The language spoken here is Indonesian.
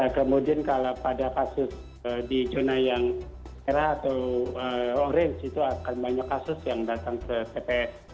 kemudian kalau pada kasus di zona yang merah atau orange itu akan banyak kasus yang datang ke tps